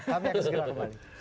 kami akan segera kembali